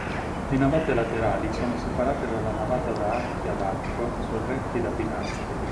Le navate laterali sono separate dalla navata da archi ad arco sorretti da pilastri.